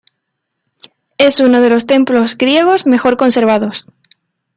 Es uno de los templos griegos mejor conservados.